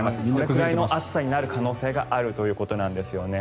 それくらいの暑さになる可能性があるということなんです。